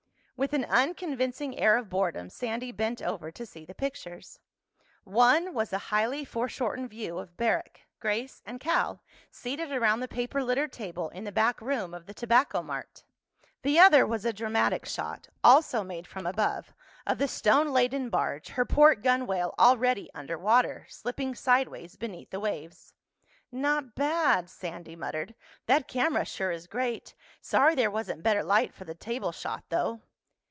With an unconvincing air of boredom Sandy bent over to see the pictures. One was a highly foreshortened view of Barrack, Grace, and Cal seated around the paper littered table in the back room of the Tobacco Mart. The other was a dramatic shot—also made from above—of the stone laden barge, her port gunwale already under water, slipping sideways beneath the waves. "Not bad," Sandy muttered. "That camera sure is great. Sorry there wasn't better light for the table shot, though."